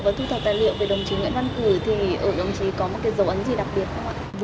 và thu thập tài liệu về đồng chí nguyễn văn cử thì ở đồng chí có một cái dấu ấn gì đặc biệt không ạ